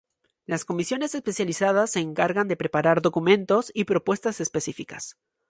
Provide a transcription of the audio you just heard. Las Comisiones Especializadas se encargan de preparar documentos y propuestas específicas.